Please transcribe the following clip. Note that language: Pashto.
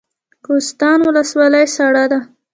کوهستان ولسوالۍ سړه ده؟